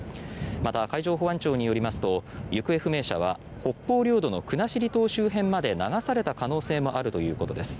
また海上保安庁によりますと行方不明者は北方領土の国後島周辺まで流された可能性もあるということです。